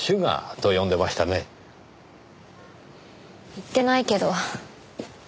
言ってないけど。